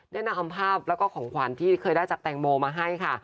ได้นำภาพแล้วก็ของขวัญที่เคยได้จากแตงโมมาให้ค่ะ